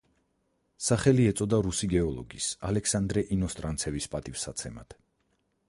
სახელი ეწოდა რუსი გეოლოგის ალექსანდრე ინოსტრანცევის პატივსაცემად.